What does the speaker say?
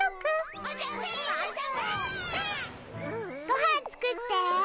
ごはん作って。